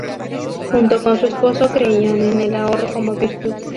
Junto con su esposo creían en el ahorro como virtud.